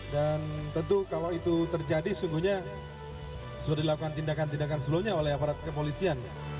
dan tentu kalau itu terjadi sungguhnya sudah dilakukan tindakan tindakan sebelumnya oleh aparat kepolisian